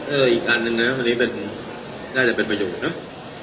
เอออีกอันหนึ่งนะวันนี้ได้จะเป็นประหยุดเนอะ